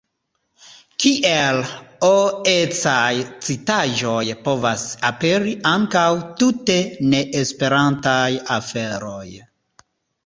Kiel O-ecaj citaĵoj povas aperi ankaŭ tute ne-Esperantaj aferoj.